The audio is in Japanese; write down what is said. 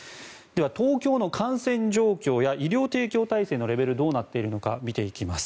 東京の感染状況や医療提供体制のレベルはどうなっているのか見ていきます。